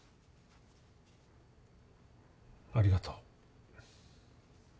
ありがとう。